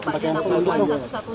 perasaannya gimana pak